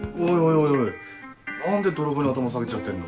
おい何で泥棒に頭下げちゃってんの。